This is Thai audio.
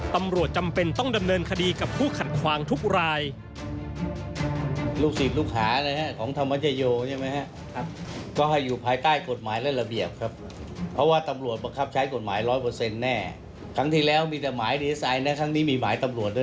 จำเป็นต้องดำเนินคดีกับผู้ขัดขวางทุกราย